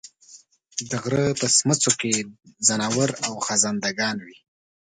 د غرۀ په څمڅو کې ځناور او خزندګان وي